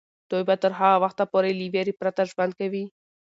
دوی به تر هغه وخته پورې له ویرې پرته ژوند کوي.